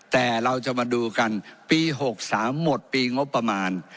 แต่เราจะมาดูกันปี๖๓หมดปีงบประมาณ